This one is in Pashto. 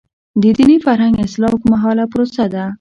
د دیني فرهنګ اصلاح اوږدمهاله پروسه ده.